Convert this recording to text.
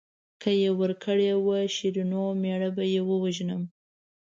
که یې ورکړې وه شیرینو او مېړه به یې ووژنم.